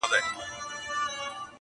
ما، پنځه اویا کلن بوډا -